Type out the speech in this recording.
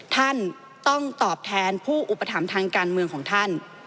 ท่านต้องตอบแทนผู้อุปถัมภ์ทางการเมืองของท่าน